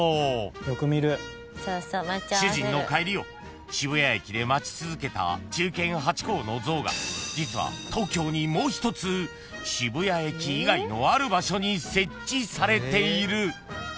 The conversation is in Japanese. ［主人の帰りを渋谷駅で待ち続けた忠犬ハチ公の像が実は東京にもう一つ渋谷駅以外のある場所に設置されている］